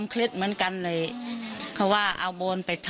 ครับ